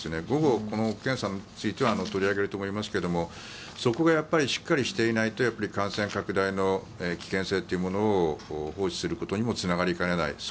午後、この検査については取り上げると思いますがそこがしっかりしていないと感染拡大の危険性というものを放置することにもつながりかねない。